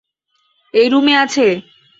এই রুমে আছে।